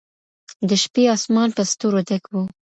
د شپې اسمان په ستورو ډک و.